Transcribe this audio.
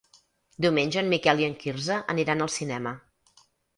Diumenge en Miquel i en Quirze aniran al cinema.